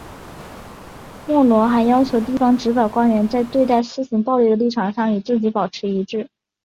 莫罗还要求地方执法官员在对待私刑暴力的立场上与自己保持一致。